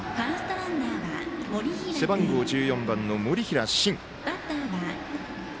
背番号１４番の森平心。